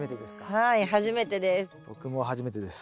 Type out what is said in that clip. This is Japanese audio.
はい初めてです。